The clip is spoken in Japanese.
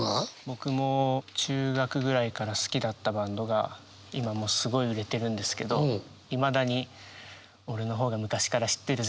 僕も中学ぐらいから好きだったバンドが今もうすごい売れてるんですけどいまだに俺の方が昔から知ってるぜ。